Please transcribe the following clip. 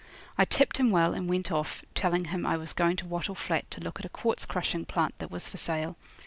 I tipped him well, and went off, telling him I was going to Wattle Flat to look at a quartz crushing plant that was for sale.